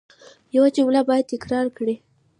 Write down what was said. یو جمله باید تکرار کړئ.